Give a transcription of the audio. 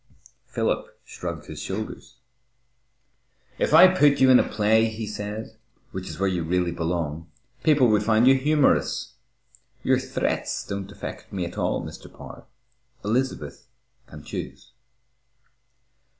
Philip shrugged his shoulders. "If I put you in a play," he said, "which is where you really belong, people would find you humorous. Your threats don't affect me at all, Mr. Power. Elizabeth can choose."